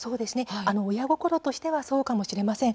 親心としてはそうかもしれません。